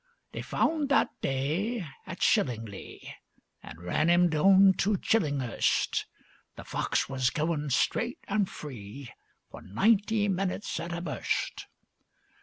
They found that day at Shillinglee, An' ran 'im down to Chillinghurst; The fox was goin' straight an' free For ninety minutes at a burst.